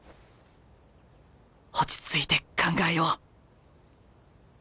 落ち着いて考えよう。